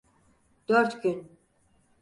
Dört gün.